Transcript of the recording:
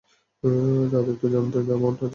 রাধে তো জানতোই না মমতা যে তোমার বোন।